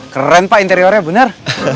keren pak interiornya bener